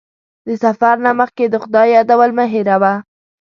د سفر نه مخکې د خدای یادول مه هېروه.